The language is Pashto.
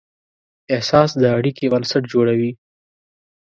احساس د اړیکې بنسټ جوړوي.